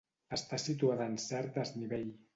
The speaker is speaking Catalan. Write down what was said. Està situada en cert desnivell.